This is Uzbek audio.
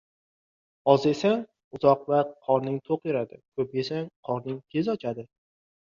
• Oz yesang — uzoq vaqt qorning to‘q yuradi, ko‘p yesang — qorning tez ochadi.